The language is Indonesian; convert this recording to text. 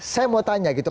saya mau tanya gitu